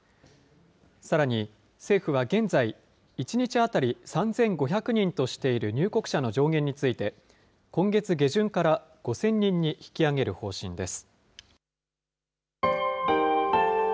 さらに、政府は現在、１日当たり３５００人としている入国者の上限について、今月下旬から５０００人に引き上げる方針です。